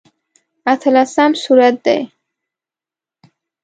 اتلسم سورت دی.